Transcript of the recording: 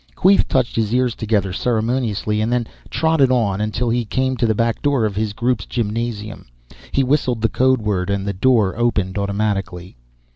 Queeth touched his ears together ceremoniously and then trotted on, until he came to the back door of his group's gymnasium. He whistled the code word and the door opened automatically.